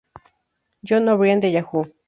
Jon O'Brien de "Yahoo!